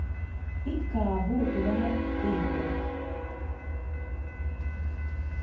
It kā būtu vērts dzīvot.